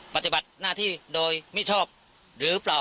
ปฏิบัติหน้าที่โดยมิชอบหรือเปล่า